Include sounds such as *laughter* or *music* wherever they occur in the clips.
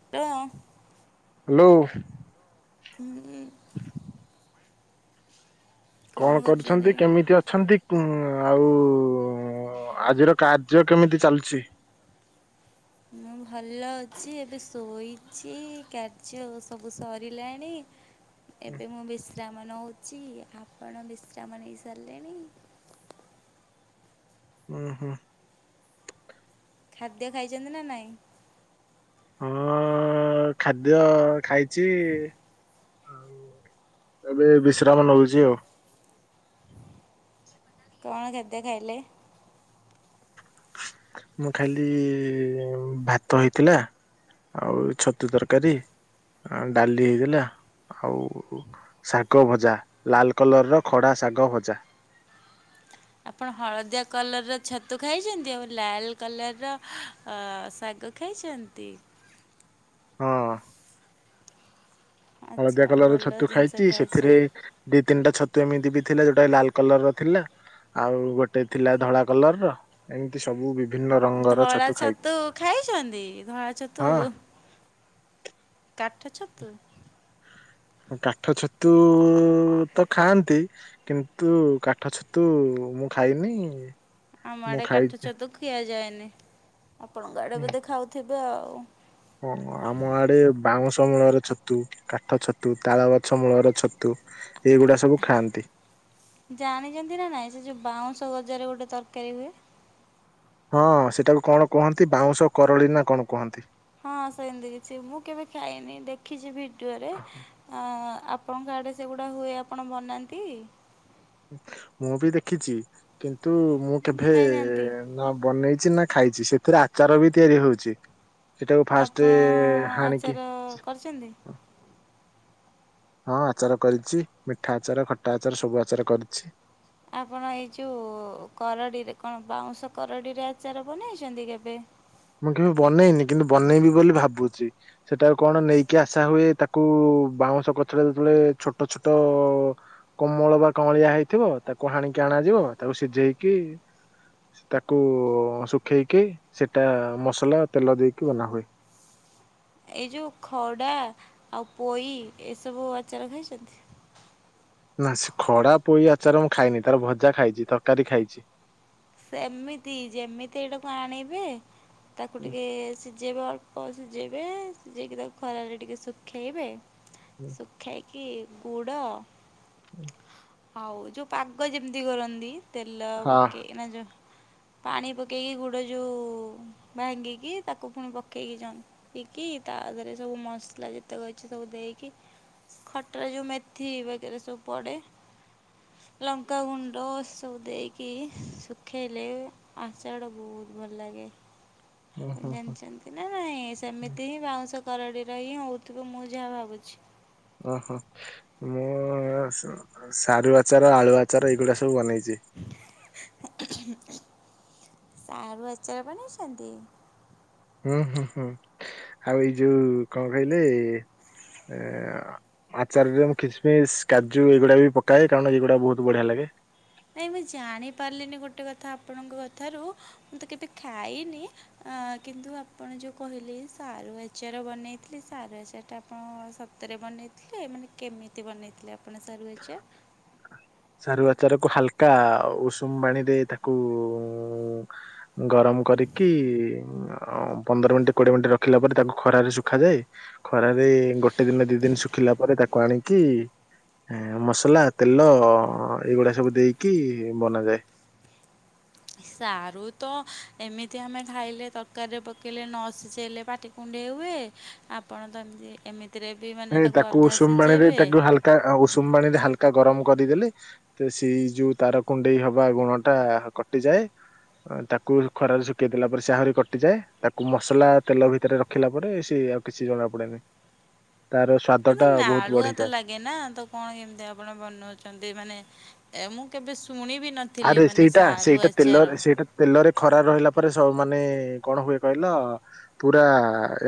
*inaudible* Hello ହୁଁ। କଣ କରୁଛନ୍ତି କେମିତି ଅ ଅଛନ୍ତି ଉ ଆଉ ଆଜିର କାର୍ଯ୍ୟ କେମିତି ଚାଲୁଚି? ମୁଁ ଭଲ ଅଛି ଏବେ ଶୋଇଚି। କାର୍ଯ୍ୟ ସବୁ ସରିଲାଣି ଉଁ ଏବେ ମୁଁ ବିଶ୍ରାମ ନଉଛି ଆପଣ ବିଶ୍ରାମ ନେଇ ସାରିଲେଣି? ଉଁ ହୁଁ। ଖାଦ୍ୟ ଖାଇଚନ୍ତି ନା ନାଇଁ? ହଁ ଖାଦ୍ୟ ଖାଇଚି। ଏବେ ବିଶ୍ରାମ ନଉଚି ଆଉ। କଣ ଖାଦ୍ୟ ଖାଇଲେ? ମୁଁ ଖାଲି ଭାତ ହେଇଥିଲା ଆଉ ଛତୁ ତରକାରୀ ଡାଲି ହେଇଥିଲା ଆଉ ଶାଗ ଭଜା ଲାଲ କଲର ର ଖଡା ଶାଗ ଭଜା। ଆପଣ ହଳଦିଆ କଲର୍ ର ଛତୁ ଖାଇଚନ୍ତି ଆଉ ଲାଲ କଲର୍ ର ଅ ଶାଗ ଖାଇଚନ୍ତି? ହଁ। ଆଚ୍ଛା ହଳଦିଆ କଲର ଭଲ ଛତୁ ଜିନିଷ ଖାଇଚି ସେଥିରେ ଖାଇଛନ୍ତି ଦି ତିନିଟା ଛତୁ ଏମିତି ବି ଥିଲା ଯୋଉଟା ଲାଲ କଲର ର ଥିଲା। ଆଉ ଗୋଟେ ଥିଲା ଧଳା କଲର ର ଏମିତି ସବୁ ବିଭି ଧଳା ଛତୁ ଖାଇଛନ୍ତି ଧଳା ଛତୁ ହଁ କାଠ ଛତୁ। କାଠ ଛତୁ ତ ଖାଆନ୍ତି। କିନ୍ତୁ କାଠ ଛତୁ ମୁଁ ଖାଇନି। ଆମ ମୁଁ ଆଡେ କାଠ ଖାଇଛି ଛତୁ ଖିଆଯାଏନି, ଆପଣଙ୍କ ଆଡେ ବୋଧେ ଖାଉଥିବେ ଆଉ। ହଁ, ଆମ ଆଡେ ବାଉଁଶ ମୂଳରେ ଛତୁ କାଠ ଛତୁ, ତାଳ ଗଛ ମୂଳର ଛତୁ, ଏଇଗୁଡା ସବୁ ଖାଆନ୍ତି। ଜାଣିଛନ୍ତି ନା ନାଇଁ ସେ ଯୋଉ ବାଉଁଶ ଗଜାରେ ଗୋଟେ ତରକାରୀ ହୁଏ। ହଁ, ସେଟାକୁ କଣ କୁହନ୍ତି ବାଉଁଶ କରଳି ନା କଣ କୁହନ୍ତି। ହଁ, ସେମିତି କିଛି ମୁଁ କେବେ ଖାଇନି, ଦେଖିଛି ଭିଡିଓରେ, ଆ ଆପ୍ ଆପଣଙ୍କ ଆଡ଼େ ସେଗୁଡ଼ା ହୁଏ ଆପଣ ବନାନ୍ତି? ମୁଁ ବି ଦେଖିଛି କିନ୍ତୁ ମୁଁ କେଭେ ଖାଇନାହାନ୍ତି? ନା ବନେଇଛି ନା ଖାଇଛି ସେଥିରେ ଆଚାର ବି ତିଆରି ହଉଛି। ସେଟାକୁ ଫାଷ୍ଟ ଆପଣ ହାଣିକି ଆଚାର କରିଛନ୍ତି? ହଁ, ଆଚାର କରିଛି, ମିଠା ଆଚାର, ଖଟା ଆଚାର ସବୁ ଆଚାର କରିଛି। ଆପଣ ଏଇ ଯେଉଁ କରଡ଼ିରେ କଣ ବାଉଁଶ କରଡ଼ିରେ ଆଚାର ବନେଇଛନ୍ତି କେବେ? ମୁଁ କେବେ ବନେଇନି କିନ୍ତୁ ବନେଇବି ବୋଲି ଭାବୁଛି, ସେଟା କୁ କଣ ନେଇକି ଆଶା ହୁଏ, ତା ତା କୁ ବାଉଁଶ କଛରେ ଯେତଳେ ଛୋଟ ଛୋଟ କୋମଳ ବା କଁଳିଆ ହେଇଥିବ, ତାକୁ ହାଣିକି ଆଣାଯିବ ତାକୁ ସିଝେଇକି ତାକୁ ଶୁଖେଇକି ସେଟା ମସଲା ତେଲ ଦେଇକି ବନାହୁୁଏ। ଏଇ ଯଉ ଖଡ଼ା, ଆଉ ପୋଇ ଏସବୁ ଆଚାର ଖାଇଛନ୍ତି? ନା ସେ ଖଡା ପୋଇ ଆଚାର ମୁଁ ଖାଇନି ତାର ଭଜା ଖାଇଛି, ତରକାରୀ ଖାଇଛି। ସେମିତି ଯେମିତି ଏଇଟାକୁ ଆଣିବେ ତାକୁ ଟିକେ ସି ସି ଯେଇବେ ଅଳ୍ପ ସିଝେଇବେ ସିଝେଇକି ତାକୁ ଖରାରେ ଟିକେ ଶୁଖେଇବେ, ସୁକ ଖେଇକି ପୁଡ଼ *inaudible* ହଉ ଯୋଉ ପାଗ ଯେମିତି କରନ୍ତି ତେଲ ହଁ। ପକେଇ ନା ଯୋଉ ପାଣି ପକେଇକି ଗୁଡ଼ ଯୋଉ ଭାଙ୍ଗିକି ତାକୁ ପୁଣି ପକେଇକି ଯଅନ୍ତ ନ୍ତିକି ତା ଦେହରେ ସବୁ ମସଲା ଯେତକ ଅଛି ସବୁ ଦେଇକି ଖଟରେ ଯୋଉ ମେଥି ବଗେ ରେ ସବୁ ପଡେ। ଲଙ୍କା ଗୁଣ୍ଡ ସଵୁ ଦେଇକି ସୁଖେଇଲେ ଆଚାଡ଼ ବହୁତ ଭଲ୍‌ଲାଗେ। ଆଉ ଜାଣିଛନ୍ତି ନା ନାଇଁ, ସେମିତି ହିଁ ବାଉଁଶ କରଡିର ହିଁ ହଉଥିବ ମୁଁ ଯାହା ଭାବୁଛି। ଓ ହୋ। ମୁଁ ସ୍ ସାରୁ ଆଚାର ଆଳୁ ଆଚାର ଏଇଗୁଡା ସବୁ ବନେଇଛି। *inaudible* ସାରୁ ଆଚାର ବନେଇଛନ୍ତି? ହୁଁ ହୁଁ ହୁଁ ଆଉ ଏଇ ଯୋଉ କଣ କହିଲେ, ଅ ଆଚାରରେ ମୁଁ କିସମିସ୍ କାଜୁ ଏଗୁଡ଼ା ବି ପକାଏ କାରଣ ଏଗୁଡା ବହୁତ ବଢିଆ ଲାଗେ। ନାଇଁ ମୁଁ ଜାଣିପାରିଲିନି ଗୋଟେ କଥା ଆପଣଙ୍କ କଥାରୁ ମୁଁ ତ କେବେ ଖାଇନି। କିନ୍ତୁ ଆପଣ ଯୋଉ କହିଲେ ସାରୁ ଆଚାର ବନେଇଥିଲେ ସାରୁ ଆଚାରଟା ଆପଣ ସ ହାତରେ ବନେଇଥିଲେ, ମାନେ କେମିତି ବନେଇଥିଲେ ଆପଣ ସାରୁ ଆଚାର? ସାରୁ ଆଚାର କୁ ହାଲକା ଉଷୁମ ପାଣି ରେ ତାକୁ ଗରମ କରିକି ଅ ପନ୍ଦରମିନିଟ କୋଡିଏମିନିଟ୍ ରଖିଲା ପରେ ତାକୁ ଖରାରେ ଶୁଖାାଯାଏ। ଖରାରେ ଗୋଟେ ଦିନ ଦି ଦିନି ଶୁଖିଲା ପରେ ତାକୁ ଆଣିକି ଆ ମସଲା, ତେଲ ଏଇଗୁଡା ସବୁ ଦେଇକି ବନାଯାଏ। ସାରୁ ତ ଏମିତି ଆମେ ଖାଇଲେ ତରକାରୀରେ ପକେଇଲେ ନ ସିଝେଇଲେ ପାଟି କୁଣ୍ଡେଇ ହୁଏ, ଆପଣ ତ ଏମିତି ଏମିତିରେ ବି ଏ ମାନେ ତାକୁ ଅଧା ଉଷୁମ ପାଣିରେ ସିଝାଇବେ। ତାକୁ ହାଲକା ଉଷୁମ ପାଣି ରେ ହାଲକା ଗରମ କରିଦେଲି ତ ସେଇ ଯୋଉ ତାର କୁଣ୍ଡେଇ ହବା ଗୁଣଟା କଟିଯାଏ। ତାକୁ ଖରାରେ ଶୁଖେଇଦେଲା ପରେ ସେ ଆହୁରି କଟିଯାଏ ତାକୁ ମସଲା ତେଲ ଭିତରେ ର ଖିଲା ପରେ ସିଏ ଆଉ କିଛି ଜଣା ପଡେନି। ତାର ସ୍ୱା କିନ୍ତୁ ନାଳୁଆ ତ ଲାଗ୍ ଏ ନା ତ କଣ କେମିତି ଆପଣ ବନଉଛନ୍ତି ମାନେ ଏ ମୁଁ କେବେ ଶୁଣିବି ନ ଆରେ ସେଇଟା ସେଇଟା ତେଲ ସେଇଟା ତେଲରେ ଖରା ରହିଲା ପରେ ସବୁ ମାନେ କଣ ହୁଏ କହିଲ ପୁରା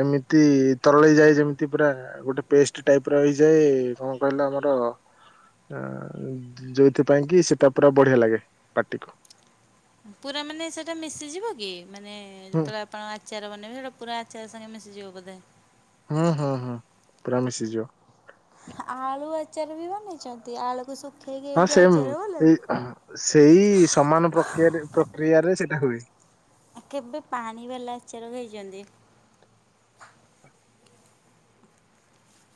ଏମିତି ତରଳେଇ ଯାଏ ଯେମିତି ପୁରା ଗୋଟେ ପେଷ୍ଟ ଟାଇପ ର ହେଇଯାଏ କଣ କହିଲା ଆମର ଯୋଉଥିପାଇଁ କି ସେଟା ପୁରା ବଢିଆ ଲାଗେ ପାଟିକୁ। ପୁରା ମାନେ ସେଟା ମିଶିଯିବ କି ମାନେ ହୁଁ ଯେତେବେଳେ ଆପଣ ଆଚାର ବନେଇବେ ସେଇଟା ପୁରା ଆଚାର ସାଙ୍ଗେ ମିସିଯିବ ବୋଧେ। ହୁଁ ହୁଁ ହୁ ପୁରା ମିଶିଯିବ। ଆଳୁ ଆଚାର ବି ବନେଇଛନ୍ତି ଆଳୁକୁ ଶୁଖେଇକି ହଁ ଏମ ସେମ୍ ଆଚାର ବନା ଏଇ ସେଇ ସମାନ ପକ୍ରିୟାରେ ପ୍ରକ୍ରିୟାରେ ସେଇଟା ହୁଏ। ଆ କେବେ ପାଣି ବାଲା ଆଚର ଖାଇଛନ୍ତି? *inaudible*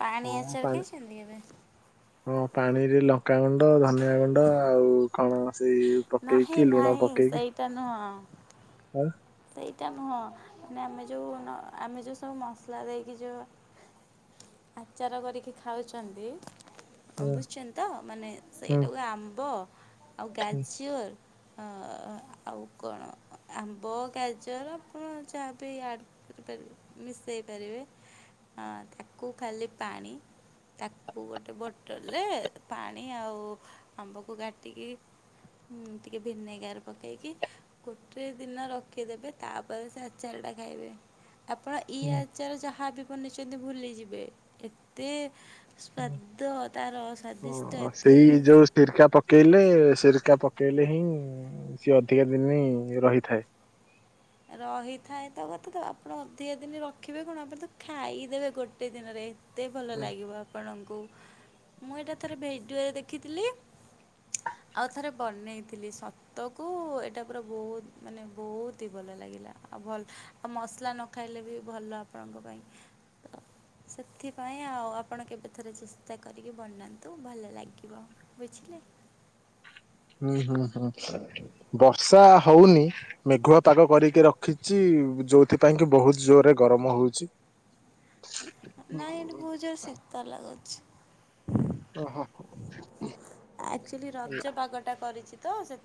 ପାଣି ହଁ ଆଚାର ପାଣି ଖାଇଛନ୍ତି କେବେ? ହଁ ପାଣିରେ ଲଙ୍କାଗୁଣ୍ଡ, ଧନିଆଗୁଣ୍ଡ ଆଉ କଣ ସେଇ ପକେଇ ନାହିଁ କି ଲୁଣ ନାହିଁ ପକେଇ କି ସେଇଟା ନୁହଁ ଆଁ ସେଇଟା ନୁହଁ ମାନେ ଯୋଉଁ ଆମେ ଯେଉଁ ସବୁ ମସଲା ଦେଇକି ଯେଉଁ ଆଚାର କରିକି ଖାଉଚନ୍ତି। ହୁଁ ଅମ୍ବୁଚନ୍ତି ତ ମାନେ ହୁଁ ସେଇଟାକୁ ଆମ୍ବ ଆଉ ହୁଁ ଗାଜର ଆ ଆଉ କଣ ଆମ୍ବ? ଗାଜର ଆପଣ ଯାହାବି ଆଡ଼୍ କରିପାରିବେ ମିଶେଇ ପାରିବେ। ହଁ ତାକୁ ଖାଲି ପାଣି ତାକୁ ଗୋଟେ ବୋଟଲରେ ପାଣି ଆଉ ଆମ୍ବକୁ କାଟିକି ମୁଁ ଟିକେ ଭିନେଗାର ପକେଇକି ଗୋଟେ ଦିନ ରଖ ରଖିଦେବେ ତାପରେ ସେ ଆଚାରଟା ଖାଇବେ ଆପଣ ଇଏ ହୁଁ ଆ ଆଚାର ଯାହା ବି ବନେଇଚନ୍ତି ଭୁଲି ଯିବେ ଏତେ ହୁଁ। ସ୍ବାଦ ତାର ସ୍ଵାଦିଷ୍ଟ ଏତେ ସିରିକା ପକେଇଲେ ସିରିକା ପକେଇଲେ ହିଁ ସିଏ ଅଧିକା ଦିନ ରହିଥାଏ। ରହିଥାଏ ତ କଥା ତ ଆପଣ ଅଧିକା ଦିନ ରଖିବେ କଣ ଆପଣ ତ ଖାଇଦେବେ ଗୋଟେ ଦିନରେ। ଏତେ ଭଲ ହୁଁ ଲାଗିବ ଆପଣଙ୍କୁ ମୁଁ ଏଟା ଥରେ ଭିଡ଼ିଓରେ ଦେଖିଥିଲି। ଆଉ ଥରେ ବନେଇଥିଲି ସତକୁ ଏଟା ପୁରା ବହୁତ ମାନେ ବହୁତ ଇତି ଭଲ ଲାଗିଲା ଆଉ ଭଲ ଆଉ ମସଲା ନ ଖାଇଲେ ବି ଭଲ ଆପଣଙ୍କ ପାଇଁ। ସେଥିପାଇଁ ଆଉ ଆପଣ କେବେଥରେ ଚେଷ୍ଟା କରିକି ବନାନ୍ତୁ ଭଲ ଲାଗିବ। ବୁଝିଲେ। ବର୍ଷା ହଉନି। ମେଘୁଆ ପାଗ କରିକି ରଖିଚି ଯୋଉଥିପାଇଁ କି ବହୁତ ଜୋରରେ ଗରମ ହଉଚି। *inaudible* ନାଇ ଏଠି ବହୁତ ଜୋରେ ଶୀତ ଲାଗୁଛି। ଓହୋ ଆକ୍ଚୁଆଲି ହୁଁ ରଜ ପାଗ ଟା କରିଚି ତ ସେ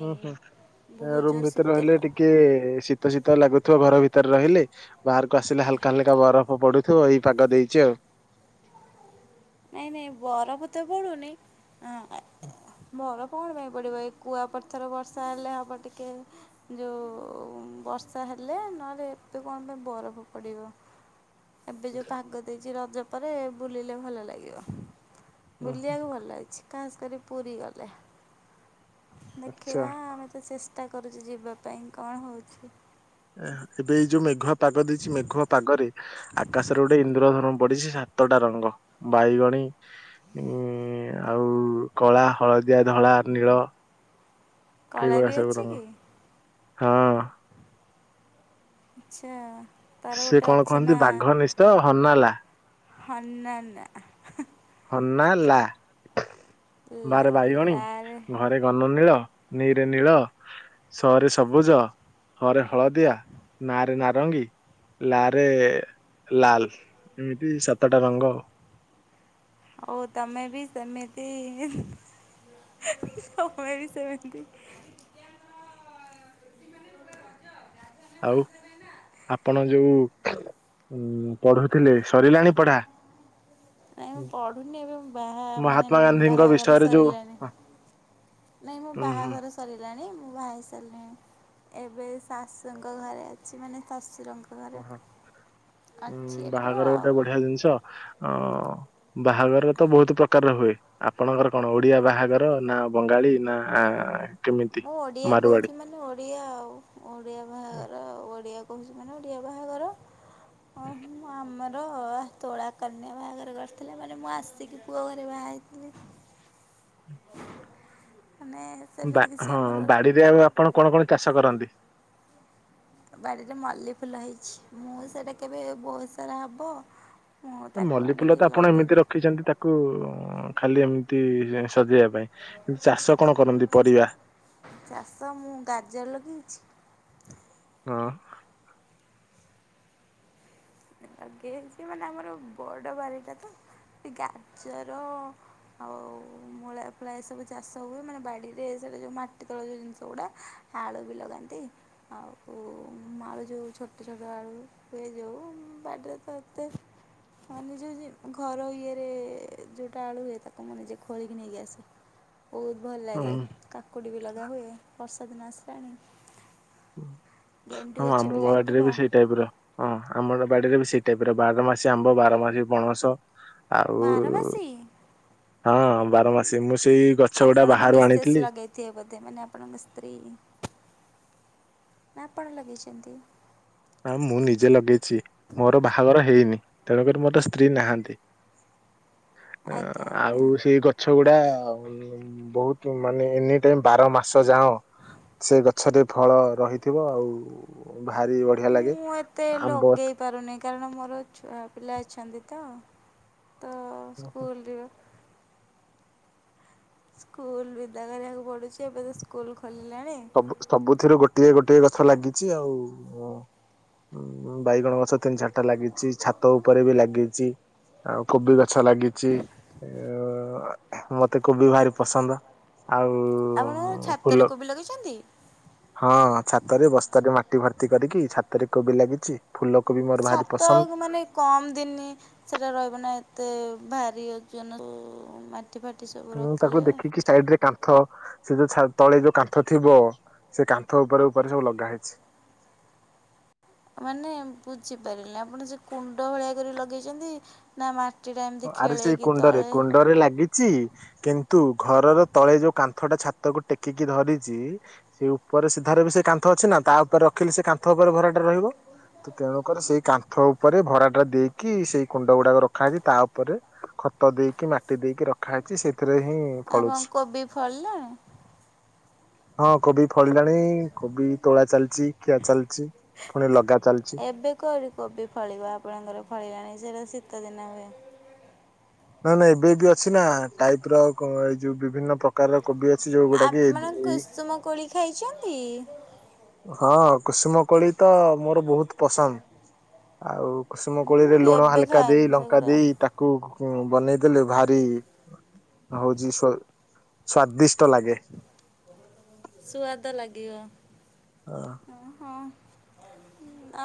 ଉଁ ହୁଁ ରୁମ୍ ଭିତରେ ଶୀତ ରହିଲେ ଲା ଟିକେ ଶୀତ୍ ଶୀତ ଶୀତ ଲାଗୁଥିବ ଘର ଭିତରେ ରହିଲେ ବାହାରକୁ ଆସିଲେ ହାଲକା ହାଲକା ବରଫ ହଁ ପଢୁଥିବ ଏଇ ପାଗ ଦେଇଚି ଆଉ। ନାଇଁ ନାଇଁ ବରଫ ତ ପଡୁନି ହଁ ବରଫ କଣ ପାଇଁ ପଡ଼ିବ ଏ କୁଆପଥର ବର୍ଷା ହେଲେ ହବ ଟିକେ। ଯୋଉ ବର୍ଷା ହେଲେ ନହେଲେ ଏତେ କଣ ପାଇଁ ବରଫ ପଡ଼ିବ। ଏବେ ଯୋଉ ପାଗ ଦେଇଚି ରଜ ପରେ ବୁଲିଲେ ଭଲ ଲାଗିବ। ଉହୁଁ, ବୁଲିବାକୁ ଭଲ ଅଛି ଖାସ୍ କରି ପୁରୀ ଗଲେ। ଆଚ୍ଛା ଦେଖିବା ଆମେ ତ ଚେଷ୍ଟା କରୁଛୁ ଯିବା ପାଇଁ କଣ ହଉଛି। ଏବେ ଏଇ ଯୋଉ ମେଘୁଆ ପାଗ ଦେଇଛି ମେଘୁଆ ପାଗରେ ଆକାଶରେ ଗୋଟେ ଇନ୍ଦ୍ରଧନୁ ପଡିଛି ସାତଟା ରଙ୍ଗ ବାଇଗଣୀ- ଉଁ ଆଉ କଳା, ହଳଦିଆ, ଧଳା, ନୀଳ ଏହି କଳା ଭଳିଆ ବି ସବୁ ଅଛି ରଙ୍ଗ କି ହଁ। ଆଚ୍ଛା। ତାର ସେ ଗୋଟେ କଣ ଅଛି କହନ୍ତି ବାଘ ନିିଶ ହନାଲା? ହନାନା। ହ ନା ଲା ଲା ବାରେ ବାଇଗଣୀ ଲାରେ ଘ ରେ ଘନନୀଳ ନୀ ରେ ନୀଳ ସ ରେ ସବୁଜ ହ ରେ ହଳଦିଆ ନା ରେ ନାରଙ୍ଗୀ। ଲା ରେ ଲାଲ୍ ଏମିତି ସାତଟା ରଙ୍ଗ। ଆଉ ତମେ ବି ସେମିତି ତମେ ବି ସେମିତି। ଆଉ ଆପଣ ଯୋଉ- ଉଁ ପଢୁଥିଲି ସରିଲାଣି ପଢ଼ା? ନାଇ ମୁଁ ପଢୁନି ଏବେ ବାହା ମାନେ ମହାତ୍ମା ଗାନ୍ଧୀଙ୍କ ବାହାଘର ବିଷୟରେ ଯୋଉ ସରିଲାଣି। ନାଇ ମୁଁ ଉଁ ହୁଁ ବାହାଘର ସରିଲାଣି ମୁଁ ବାହା ସାରିଲିଣି ଏବେ ଶାଶୁଙ୍କ ଘରେ ଅଛି ମାନେ ଶଶୁରଙ୍କ ଘରେ। ଓହ ଉଁ ଅଛି ଏବେ ବାହାଘର ଆଉ। ଗୋଟେ ବଢିଆ ଜିନିଷ ଅ ବାହାଘର ତ ବହୁତ ପ୍ରକାର ର ହୁଏ। ଆପଣଙ୍କର କଣ ଓଡିଆ ବାହାଘର ନା ବଙ୍ଗାଳୀ ନା କେମିତି? ମୁଁ ଓଡିଆ ମାରୁଆଡି କହୁଛି ମାନେ ଓ ଓଡ଼ିଆ ଆଉ ଓଡ଼ିଆ ବାହାଘର ଆଉ ଓଡ଼ିଆ କହୁଛି ମାନେ ଓଡ଼ିଆ ବାହାଘର। ହଁ ମୁଁ ଆମର ତୋଳା କନ୍ୟା ବାହାଘରେ କରିଥିଲି ମାନେ ମୁଁ ଆସିକି ପୁଅ ଘରେ ବାହା ହେଇଥିଲେ। ମାନେ ବା ସେମିତି କିଛି ହଁ ଆମର ବାଡିରେ ଆଉ ଆପଣ କଣ କଣ ଚାଷ କରନ୍ତି? ବାଡ଼ିରେ ମଲ୍ଲି ଫୁଲ ହେଇଛି ମୁଁ ସେଇଟା କେବେ ବହୁତ ସାରା ହବ ମୁଁ ତାକୁ ମଲ୍ଲି ଫୁଲ ଆଣିକି ତ ଆପଣ ଏମିତି ଲଗେଇବି ରଖିଛନ୍ତି ତା କୁ ଖାଲି ଏମିତି ସଜେଇବା ପାଇଁ କିନ୍ତୁ ଚାଷ କଣ କରନ୍ତି ପରିବା? ଚାଷ ମୁଁ ଗାଜର ଲଗେଇଛି। ହଁ। ଲଗେଇଛି ମାନେ ଆମର ବଡ଼ ବାରିଟା ତ ସେ ଗାଜର ଆଉ ମୂଳା ଫୁଳା ଏ ସବୁ ଚାଷ ହୁଏ ମାନେ ବାଡ଼ିରେ ସେଇଟା ଯେଉଁ ମାଟି ତଳ ଯେଉଁ ଜିନିଷ ଗୁଡ଼ା ଆଳୁ ବି ଲଗାନ୍ତି ଆଉ ଆଳୁ ଯେଉଁ ଛୋଟ ଛୋଟ ଆଳୁ ହୁଏ ଯେଉଁ ବାଡିରେ ତ ଏତେ ହଁ ନିଜର ଯଉ ଘର ଇଏରେ ଯେଉଁଟା ଆଳୁ ଇଏ ହେଇଥାଏ ତାକୁ ମୁଁ ନିଜେ ଖୋଳିକି ନେଇକି ଆସେ। ବହୁତ ଭଲ ଲାଗେ ହଁ କାକୁଡି ବି ଲଗା ହୁଏ ବର୍ଷା ଦିନ ଆସିଲାଣି। ଗେଣ୍ଡୁ ହଁ ଗଛ ଆମ ବି ଲାଗିବ ୱାର୍ଡିରେ ବି ସେଇ ଟାଇପ୍ ର। ହଁ ଆମର ବାଡିରେ ବି ସେଇ ଟାଇପ୍ ରେ ବାର ମାସି ଆମ୍ବ ବାର ମାସି ପଣସ। ଆଉ ବାରମାସୀ। ହଁ ବାରମାସି ମୁଁ ସେଇ ଗଛ ଗୁଡା ବାହାରୁ ଆଣିଥିଲି। ଦତେ ବୋଧେ ମାନେ ଆପଣଙ୍କ ସ୍ତ୍ରୀ ନା ଆପଣ ଲଗେଇଛନ୍ତି? ହଁ ମୁଁ ନିଜେ ଲଗେଇଛି ମୋର ବାହାଘର ହେଇନି ତେଣୁକରି ମୋର ସ୍ତ୍ରୀ ନାହାନ୍ତି। ଆଜ୍ଞା ଅ ଆଜ୍ଞା। ଆଉ ସେଇ ଗଛ ଗୁଡା ବହୁତ ମାନେ ଏନି ଟାଇମ୍ ବାର ମାସ ଯାଅ। ସେ ଗଛରେ ଫଳ ରହିଥିବ ଆଉ ଭାରି ବ ମୁଁ ଏତେ ଲଗେ ପାରୁନି କାରଣ ମୋର ଛୁଆ ପିଲା ଅଛନ୍ତି ତ ତ ସ୍କୁଲରୁ। ସ୍କୁଲ ବିଦା କରିବାକୁ ପଡୁଛି ଏବେ ତ ସ୍କୁଲ ଖୋଲିଲାଣି। ସବୁ ସବୁଥିରୁ ଗୋଟିଏ ଗୋଟିଏ ଗଛ ଲାଗିଛି ଆଉ। ଉଁ ବାଇଗଣ ଗଛ ତିନି ଚାରିଟା ଲାଗିଛି ଛାତ ଉପରେ ବି ଲାଗିଛି। ଆଉ କୋବି ଗଛ ଲାଗିଛି ମତେ କୋବି ଭାରି ପସନ୍ଦ। ଆଉ ଆପଣ ଛାତରେ ଫୁଲ କୋବି ଲଗେଇଛନ୍ତି? ହଁ ଛାତରେ ବସ୍ତାରେ ମାଟି ଭର୍ତ୍ତି କରିକି ଛାତରେ କୋବି ଲାଗିଛି। ଫୁଲ କୋବି ମୋର ଭାରି ପସନ୍ଦ। କମ ଦିନ ସେଟା ରହିବ ନା ଏତେ ଭାରି ଓଜନ। ମାଟି ଫାଟି ସବୁ। ମୁଁ ତାହାଠୁ ରଖିଲେ ଦେଖିକି ସାଇଡ ରେ କାନ୍ଥ ସେ ଯୋଉ ତଳେ ଯୋଉ କାନ୍ଥ ଥିବ ସେ କାନ୍ଥ ଉପରେ ଉପରେ ସବୁ ଲଗା ହେଇଛି। ମାନେ ବୁଝିପାରିଲେ ଆପଣ ସେ କୁଣ୍ଡ ଭଳିଆ କରି ଲଗେଇଛନ୍ତି। ନା ମାଟିଟା ଏମିତି ଖେଳେଇକି ତଳେ। ଘରେ ଲାଗିଛି। ଚି କିନ୍ତୁ ଘରର ତଳେ ଯୋଉ କାନ୍ଥ ଟା ଛାତକୁ ଟେକିକି ଧରିଛି। ସେ ଉପରେ ସିଧାରେ ବି ସେ କାନ୍ଥ ଅଛି ନା ତା ଉପରେ ରଖିଲି ସେ କାନ୍ଥ ଉପରେ ଭରାଟା ରହିବ। ତ ତେଣୁକର ସେଇ କାନ୍ଥ ଉପରେ ଭରାଟା ଦେଇକି ସେଇ କୁଣ୍ଡ ଗୁଡାକ ରଖାଯାଇଛି ତା ଉପରେ ଖତ ଦେଇକି ମାଟି ଦେଇକି ରଖା ହେଇଛି ସେଥିରେ ହିଁ ଆ ବ ଫଳୁଛି। କୋବି ଫଳିଲା? ହଁ କୋବି ଫଳିଲାଣି କୋବି ତୋଳା ଚାଲିଛି ଖିଆ ଚାଲିଛି ପୁଣି ଲଗା ଚାଲିଛି। କଲି କୋବି ଫଳିବା ଆପଣଙ୍କର ଫଳିଲାଣି ସେଇଟା ଶୀତଦିନ ହୁଏ। ନାଇଁ ନାଇଁ ଏବେ ବି ଅଛି ନା ଟାଇପ୍ ର ଏଇ ଯୋଉ ବିଭିନ୍ନ ପ୍ରକାରର କୋବି। ଅଛି ଯୋଉଗୁଡା କି ଆପଣ ଏଇ କୁସୁମ କୋଳି ଖାଇଛନ୍ତି। ହଁ କୁସୁମ କୋଳି ତ ମୋର ବହୁତ ପସନ୍ଦ। ଆଉ କୁଷୁମ ମୁଁ କୋଳିରେ ଲୁଣ କେବେ ହାଲକା ଦେଇ ଖାଇନି ଲଙ୍କା ସେଗୁଡା। ଦେଇ ତାକୁ ବନେଇଦେଲେ ଭାରି ହଉଛି ସ୍ଵାଦିଷ୍ଟ ଲାଗେ। ସୁଆଦ ଲାଗିବ। ହଁ ହଁ।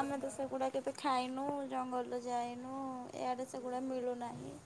ଆମେ ତ ସେଗୁଡ଼ା କେବେ ଖାଇନୁ ଜଙ୍ଗଲରେ ଯାଇନୁ ଏଆଡ଼େ ସେଗୁଡ଼ା ମିଳୁନାହିଁ।